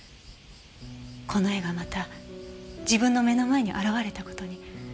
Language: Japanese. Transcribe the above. この絵がまた自分の目の前に現れた事に。